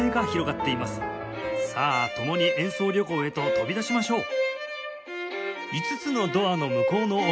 さあ共に演奏旅行へと飛び出しましょう！